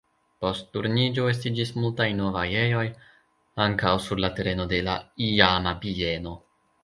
Post Turniĝo estiĝis multaj novaj ejoj, ankaŭ sur la tereno de la iama bieno.